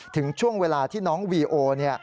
ถึงช่วงเวลาที่น้องวีโอ